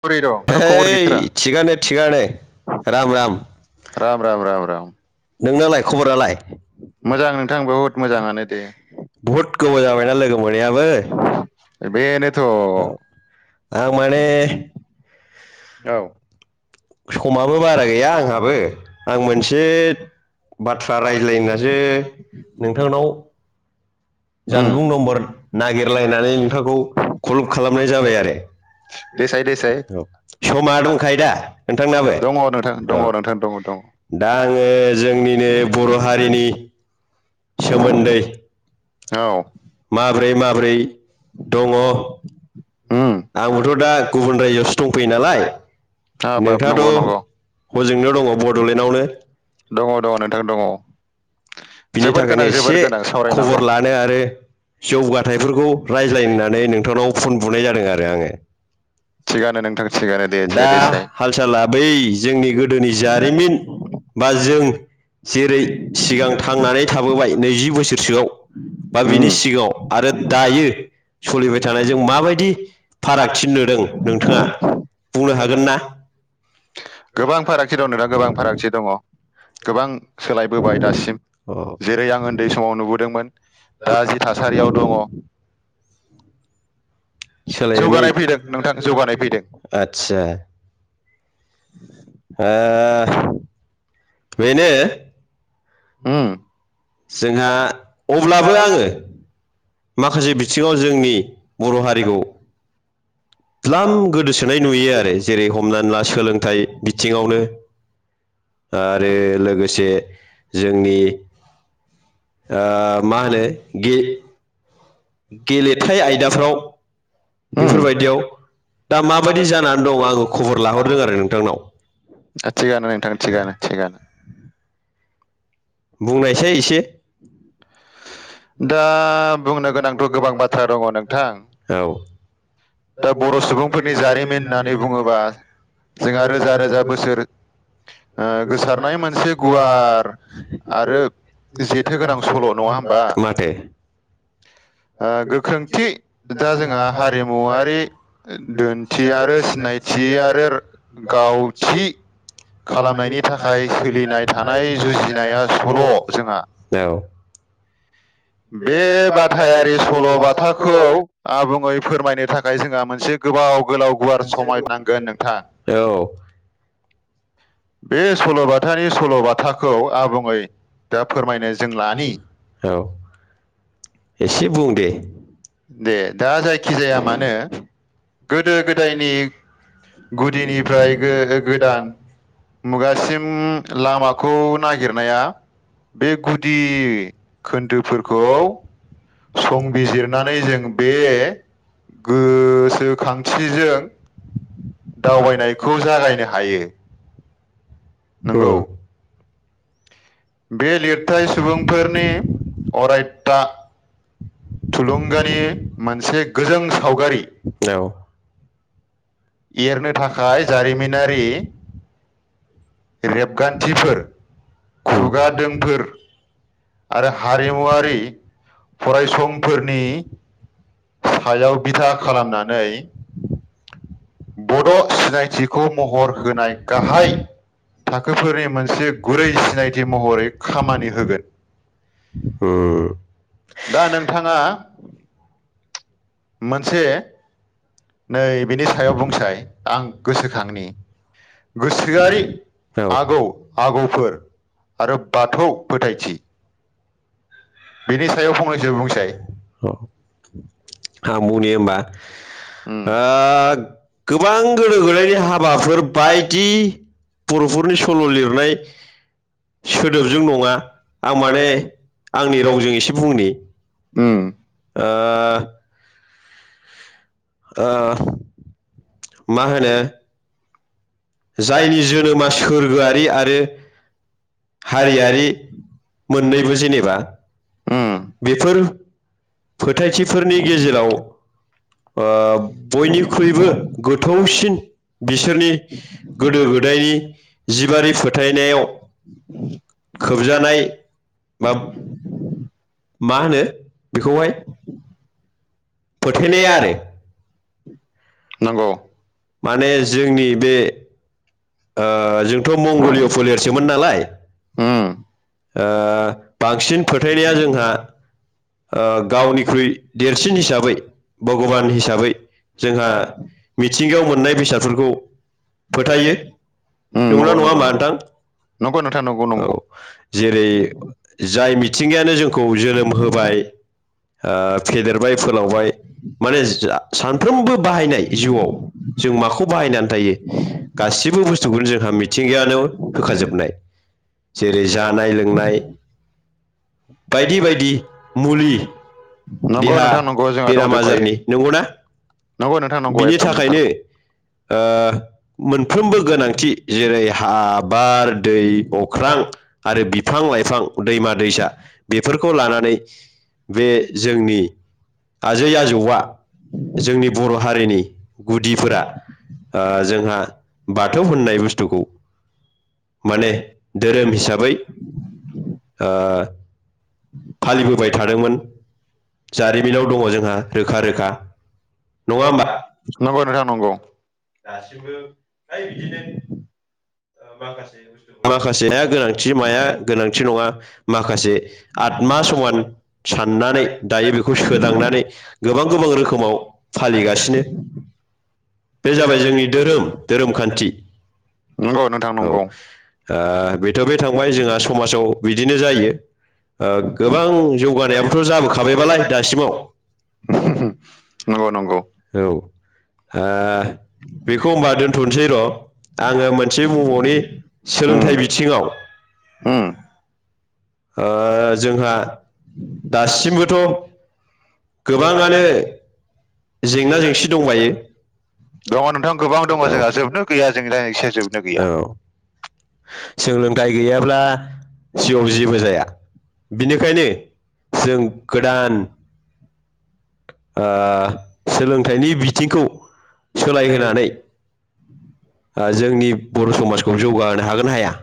बोरै दं माथो खबर गैथारा है थिगानो थिगानो राम राम राम राम राम राम नोंनालाय खबरालाय मोजां नोंथां बहुद मोजाङानो दे। बहुत गोबाव जाबायना लोगो मोनैयाबो बे नोथ' औ आं माने औ समाबो बारा गैया आंहाबो आं मोनसे बाथ्रा रायज्लायनासो नोंथांनाव उम जानबुं नम्बर नागिरलायनानै नोंथांखौ कल खालामनाय जाबाय आरो देसाय देसाय औ समा दंखायो दा नोंथांनाबो दङ नोंथां दङ औ। नोंथां दङ दङ दा आङो जोंनिनो बर' हारिनि सोमोन्दै औ माबोरै माबोरै दङ उ आंथ था गुबुन रायजोयावसो दंफैयो नालाय ह बाब नंगौ नोंथाङाथ' नंगौ हजोंनो दङ बड'लेण्डआवनो दङ नोंथां दङ। बिनि जोबोर थाखायनो गोनां जोबोर एसे गोनां सावरायनांगौ खबर लानो आरो जौगाथायफोरखौ रायज्लाय होननानै नोंथांनाव फन बुनाय जादों आरो आङो थिगानो नोंथां थिगानो देसाय दा देसाय हाल साला बै जोंनि गोदोनि जारिमिन बा जों जेरै सिगां [inaudible] थांनानै थाबोबाय नैजि बोसोरसोआव बा बिनि सिगाङाव आरो दायो सोलिबाय थानाय जों माबायदि फारागथि नुदों? नोंथाङा बुंनो हागोन ना? गोबां फारागथि दं नोंथां गोबां फारागथि दङ। गोबां सोलायबोबाय दासिम जेरै आं उन्दै समाव नुबोदोंमोन दा जि थासारियाव दंङ सोलायनाय जौगानाय फैदों नोंथां जौगानाय फैदों आदसा [inaudible] ओ बेनो उम जोंहा अब्लाबो आंङो माखासे बिथिंङाव जोंनि बर हारिखौ लाम गोदोसोनाय नुयो आरो जेरै हमनानै ला सोलोंथाइ बिथिंङावनो आरो लोगोसे जोंनि ओ मा होनो गे गेलेथाय आयदाफ्राव उम बेफोरबायदियाव दा माबायदि जानानै दं आंङो खबर लाहरदों आरो नोंथांनाव थिगानो नोंथां थिगानो-थिगानो बुंनायसाय एसे दा बुंनो गोनांथ गोबां बाथ्रा दंङ नोंथां औ दा बर सुबुंफोरनि जारिमिन होननानै बुंङोबा जोंहा रोजा-रोजा बोसोर ओ गोसारनाय मोनसे गुवार आरो जेथोगोनां सल नंङा होनबा माथो ओ गोख्रोंथि दा जोंहा हारिमुवारि दोनथि आरो सिनायथि आरो गावथि खालामनायनि थाखाय सोलिनाय थानाय जुजिनाया सल जोंहा औ बे बाथायारि सलबाथाखौ आबुं फोरमायनो थाखाय जोंहा मोनसे गोबाव गोलाव गुवार समाय नांगोन नोंथां औ बे सलबाथानि सलबाथाखौ आबुंङै दा फोरमायनाय जों लानि औ एसे बुं दे दे दा जायखि जाया मानो गोदो गोदायनि गुदिनिफ्राय गो गोदान मुगासिम लामाखौ नागिरनाया बे गुदि खोन्दोफोरखौ संबिजिरनानै जों बे गोसोखांथिजों दावबायनायखौ जागायनो हायो नंगौ औ बे लिरथाय सुबुंफोरनि अरायथा अरायदा थुलुंगानि मोनसे गोजों सावगारि एरनो थाखाय जारिमिनारि रेबगान्थिफोर उम खुगादोंफोर आरो हारिमुवारि फरायसंफोरनि सायाव बिथा खालामनानै बड सिनायथिखौ महर होनाय गाहाय थाखोफोरनि मोनसे गुरै सिनायथि महरै खामानि होगोन उम दा नोंथांङा मोनसे नै बिनि सायाव बुंसाय आं गोसोखांनि गोसोआरि औ आगौ आगौफोर आरो बाथौ फोथायथि बेनि सायाव फंनैसो बुंसै आं मुनि होमबा उम [unintelligible] ओ‌ गोबां गोदो गोदायनि हाबाफोर बायदि बरफोरनि सल लिरनाय सोदोबजों नंङा आं माने आंनि रावजों एसे बुंनि उम ओ मा होनो जायनि जोनोमा सोरगोआरि आरो हारियारि मोननैबो जेनेबा उम बेफोर फोथायथिफोरनि गेजेराव ओ बयनिख्रुइबो गोथौसिन बिसोरनि गोदो गोदायनि जिबारि फोथायनायाव खोबजानाय बा औ मा होनो बेखौहाय फोथायनाय आरो नंगौ माने जोंनि बे ओ जोंथ' मंगलिय' फोलेरसोमोन नालाय उम ओ बांसिन फोथायनाया जोंहा ओ गावनिख्रुइ देरसिन हिसाबै भगबान हिसाबै जोंहा मिथिंगायाव मोननाय बेसादफोरखौ फोथायो नंना नङा हा नोंथां नोंथां नंगौ नंगौ औ [inaudible] जेरै जाय मिथिंगायानो जोंखौ जोनोम होबाय ओ फेदेरबाय फोलावबाय माने सानफ्रोमबो बाहायनाय जिउआव जों माखौ बाहायनानै थायो गासिबो बुस्थु गुबुन जोंहा मिथिंगायानो होखाजोबनाय जेरै जा म [inaudible] बायदि बायदि मुलि नंगौ देहा नोंथां नंगौ जोंहा बेराम दंजोबखायो आजारनि नंगौना नंगौ नोंथां नंगौ बिनि एकदम थाखायनो ओ मोनफ्रोमबो गोनांथि जेरै हा बार दै अख्रां आरो बिफां बिफां लाइफां दैमा दैसा बेफोरखौ लानानै बे जोंनि आजै आजौआ जोंनि बर' हारिनि गुदिफोरा ओ जोंहा बाथौ होननाय बुस्थुखौ माने धोरोम हिसाबै फालिबोबाय थादोंमोन जारिमिनाव दङ जोंहा रोखा रोखा नङा होमबा नंगौ नोंथां नंगौ दासबो बिदिनो माखासे माखासेया गोनांथि माया गोनांथि नङा माखासे आत्मा समान साननानै दायो बेखौ सोदांनानै गोबां गोबां रोखोमाव आलि फालिगासिनो गासलि बे जाबाय जोंनि जोंनो धोरोम धोरोम धोरोमखान्थि नंगौ नोंथां औ नंगौ ओ बेथ' बे थांबाय जोंहा समाजाव बिदिनो जायो। ओ गोबां बां जौगानायाबोथ' जौगानायथ' जाबोखाबायबालाय दासिमाव औ दाजगाव [inaudible] नंगौ नंगौ। औ आ [unintelligible] बेखौ होनबा दोन्थ'सै र' आङो मोनसे बुबावनि सोलोंथाइ बिथिङाव हुम ओ जोंहा दासिमबोथ' गोबां गोबाङानो आनो जेंना जेंसि दंबायो दङ नोंथां गोबां दङ जोंहा जोबनो गैया जों दा एसे जोबनो गैया औ [inaudible] सोलोंथाइ गैयाब्ला जिउआव जेबो ज बिनिखायनो जों गोदान ओ सोलोंथाइनि बिथिंखौ सोलायहोनानै जोंनि बर' समाजखौ जौगाहोनो हागोना हाया।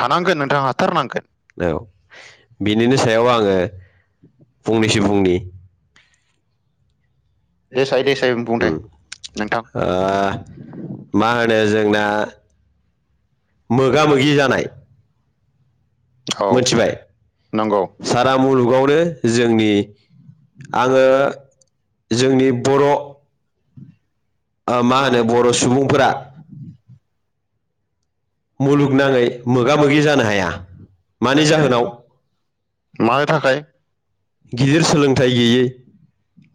हानांगोन नोंथां हाथारनांगोन औ बिनिनो सायाव आङो फंनैसो बुंनि देसाय देसाय बुंथाय उम नोंथां ओ मा होनो जोंना मोगा मोगि जानाय औ मिथिबाय नंगौ सारा मुलुगावनो जोंनि आङो जोंनि बर' मा होनो बर' सुबुंफोरा [unintelligible] मुलुगनाङै मोगा मोगि जानो हाया मानि जाहोनाव मानो थाखाय गिदिर सोलोंथाइ गैयै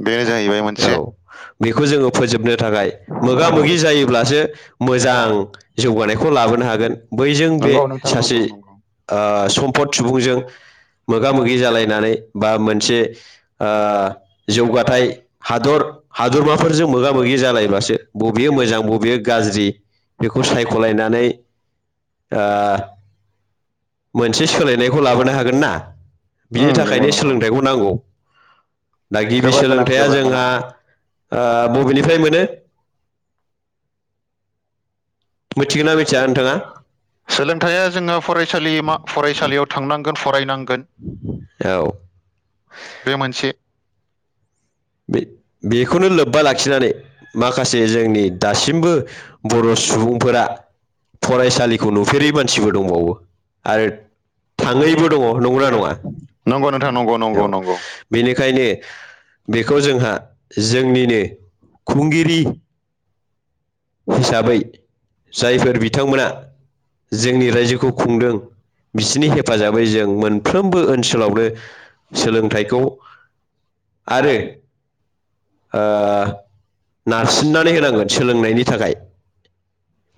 बेनो जाहैबाय औ मोनसे बेखौ जोङो फोजोबनो थाखाय मोगा मोगि जायोब्लासो मोजां जौगानायखौ लाबोनो हागोन बैजों बे नंगौ नोंथां सासे नंगौ ओ सम्फद सुबुंजों मोगा मोगि जालायनानै बा मोनसे ओ जौगाथायाइ हादर हादरमाफोरजों मोगा मोगि ज जालायबासो बबेयो मोजां बबेयो गाज्रि बेखौ सायख'लायनानै। ओ मोनसे सोलायनायखौ लाबोनो हागोन ना। उम बिनि नंगौ थाखायनो नंगौ सोलोंथाइखौ नांगौ दा गिबि जोबोर गोनां सोलोंथाइया जोबोर गोनां जोंहा ओ बबेनिफ्राय मोनो [inaudible] मिथिगोन ना मिथिया नोंथाङा सोलोंथाइया जोंहा फरायसालि फरायसालियाव थांनांगोन फरायनांगोन औ। बे मोनसे बे बेखौनो लोब्बा लाखिनानै माखासे जोंनि दासिमबो बर' सुबुं -फोरा फरायसालिखौ नुफेरै मानसिबो दंबावो आरो थाङैबो दङ नंगौना नङा नंगौ नोंथां नंगौ नंगौ औ नंगौ बेनिखायनो बेखौ जोंहा जोंनिनो खुंगिरि हिसाबै जायफोर बिथांमोना जोंनि रायजोखौ खुंदों बिसिनि हेफाजाबै जों मोनफ्रोमबो ओनसोलावनो सोलोंथाइखौ आरो ओ नारसिननानै होनांगोन सोलोंनायनि थाखाय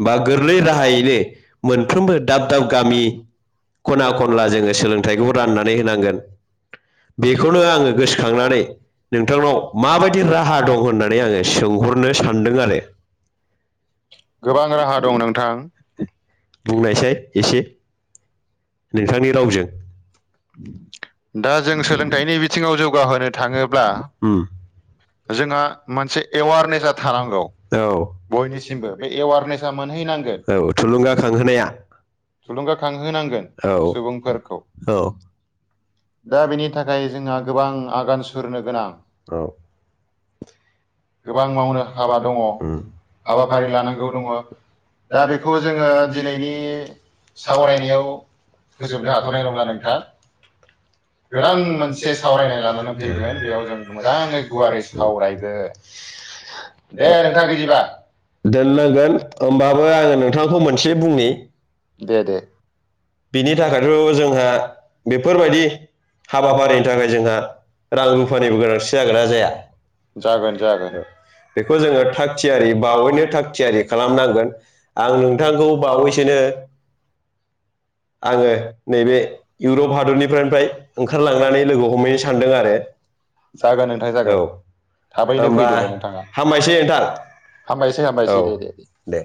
बा गोरलै राहायैनो मोनफ्रोमबो दाब दाब गामि खना खनला जोङो सोलोंथाइखौ राननानै होनांगोन। बेखौनो आङो गोसोखांनानै नोंथांनाव माबाय -दि राहा दं होननानै आङो सोंहरनो सानदों आरो गोबां राहा दं नोंथां बुंनायसाय एसे नोंथांनि रावजों दा जों सोलोंथाइनि बिथिङाव जौगाहोनो थाङोब्ला ओम जोंहा मोनसे एवारनेसा थानांगौ बयनिसिमबो बे एवारनेसा मोनहैनांगोन औ थुलुंगाखांहोनाया थुलुंगा थुलुंगाखांहोनांगोन खांहोनांगोन सुबुंफोरखौ दा बेनि थाखाय जोंना गोबां आगान सुरनो गोनां औ गोबां मावनो हाबा दङ ओम हाबाफारि लानांगौ दङ। दा बेखौ जोङो दिनैनि सावरायनायाव फोजोबनो होजोबनो हाथ'नाय हाख'नाय नंला नङा नोंथा। नोंथां गोदान मोनसे सावरायनाय लानानै [unintelligible] बेयाव जों मोजाङै गुवारै सावरायगोन दे नोंथां बिदिबा दोननांगोन होमबाबो आङो नोंथांखौ मोनसे बुंनि दे दे बिनि थाखायथ' जोंहा बेफोरबायदि हाबाफारिनि थाखाय जोंहा रां रुफानिबो गोनांथि जागोनना जाया जागोन जागोन बेखौ जोङो थाग थियारि बा बावैनो थाग थियारि खालामनांगोन आं नोंथांखौ बावैसोनो आङो नैबे इउरप हादरनिफ्रायनिफ्राय ओंखारलांनानै लोगो हमहैनो सानदों आरो जागोन नोंथां औ जागोन थाबैनो होनबा फैदोल' नोंथाङा हामबायसै नोंथां हामबायसै औ हामबायसै दे दे